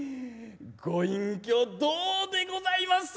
ご隠居どうでございます。